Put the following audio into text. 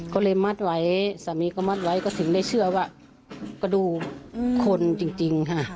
ก็เลยมัดไว้สามีก็มัดไว้ก็ถึงได้เชื่อว่ากระดูกคนจริงค่ะ